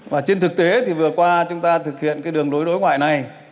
và trên thực tế thì vừa qua chúng ta thực hiện đường lối đối ngoại này